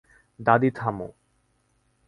দাদী, থামো।